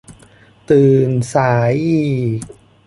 ตื่นสายอีก